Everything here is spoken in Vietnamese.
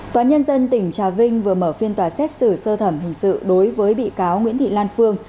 tòa án nhân dân tỉnh trà vinh vừa mở phiên tòa xét xử sơ thẩm hình sự đối với bị cáo nguyễn thị lan phương